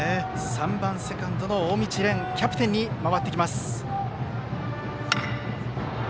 ３番セカンド、大道蓮キャプテンに回ってきます。